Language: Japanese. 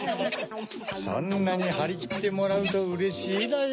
そんなにはりきってもらうとうれしいだよ。